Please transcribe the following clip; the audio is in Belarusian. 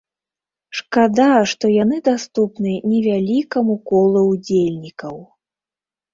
Шкада, што яны даступны невялікаму колу ўдзельнікаў.